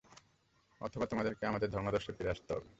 অথবা তোমাদেরকে আমাদের ধর্মাদর্শে ফিরে আসতে হবে।